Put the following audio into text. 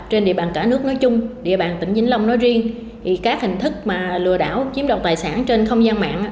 trên địa bàn cả nước nói chung địa bàn tỉnh vĩnh long nói riêng